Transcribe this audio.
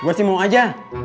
gue sih mau aja